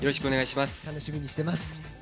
楽しみにしています。